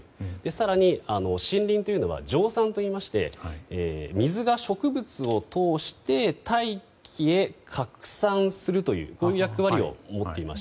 更に、森林というのは蒸散といいまして水が植物を通して大気へ拡散するという役割を持っています。